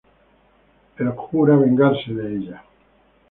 Él jura vengarse de ella.